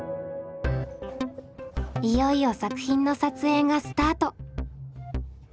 いよいよ作品の撮影がスタート！